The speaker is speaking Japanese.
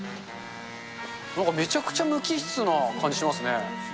なんかめちゃくちゃ無機質な感じしますね。